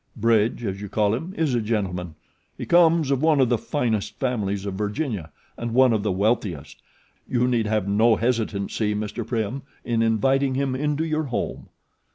"Bridge, as you call him, is a gentleman. He comes of one of the finest families of Virginia and one of the wealthiest. You need have no hesitancy, Mr. Prim, in inviting him into your home."